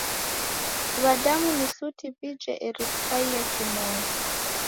W'adamu ni suti w'ije eri w'ikaie kimoyo.